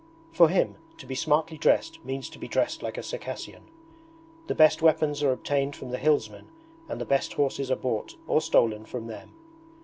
For him, to be smartly dressed means to be dressed like a Circassian. The best weapons are obtained from the hillsmen and the best horses are bought, or stolen, from them.